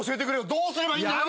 どうすればいいんだよ！